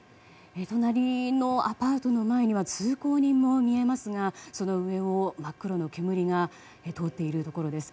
隣のアパートの前には通行人も見えますがその上を真っ黒な煙が通っているところです。